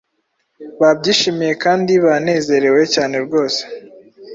babyishimiye kandi banezerewe cyane rwose.